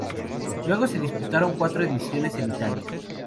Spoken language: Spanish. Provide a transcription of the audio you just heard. Luego se disputaron cuatro ediciones en Italia.